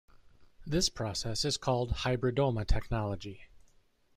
This process is called Hybridoma technology.